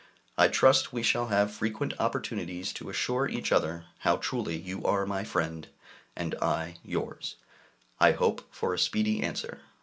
I trust we shall have frequent opportunities to assure each other how truly you are my friend, and I yours. I hope for a speedy answer.